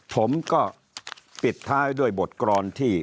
ผมก็ปิดท้ายด้วยบทกรอนที่